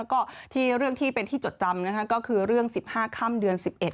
แล้วก็เรื่องที่เป็นที่จดจำก็คือเรื่อง๑๕ข้ามเดือน๑๑นั้นเอง